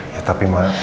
ya tapi ma